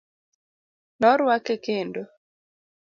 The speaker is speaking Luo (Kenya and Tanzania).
Noruake kendo.